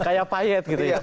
kayak payet gitu ya